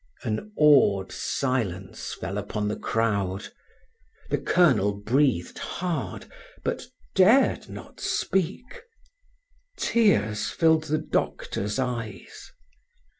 An awed silence fell upon the crowd. The colonel breathed hard, but dared not speak; tears filled the doctor's eyes.